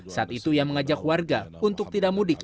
saat itu ia mengajak warga untuk tidak mudik